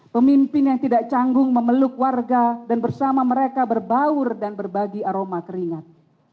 pemimpin yang tidak canggung memeluk warga dan bersama mereka berbaur dan berbagi aroma keringat